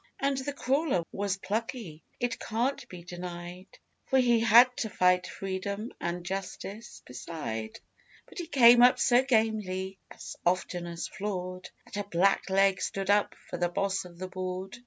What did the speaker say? And the crawler was plucky, it can't be denied, For he had to fight Freedom and Justice beside, But he came up so gamely, as often as floored, That a blackleg stood up for the Boss of the board!